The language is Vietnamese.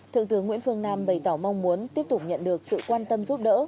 thượng tướng nguyễn phương nam bày tỏ mong muốn tiếp tục nhận được sự quan tâm giúp đỡ